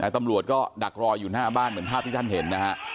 ตำรวจก็ดักรออยู่หน้าบ้านเหมือนภาพที่ท่านเห็นนะฮะ